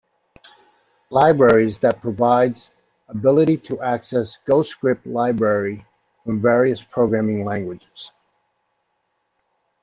Libraries that provides ability to access Ghostscript library from various programming languages.